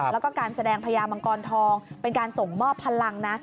แล้วก็การแสดงพญามังกรทองเป็นการส่งมอบพลังนะ